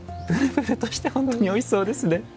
プルプルとして本当においしそうですね。